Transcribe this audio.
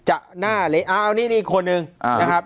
อ้าวนี่คนหนึ่งนะครับ